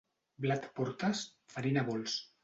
Blat portes?, farina vols.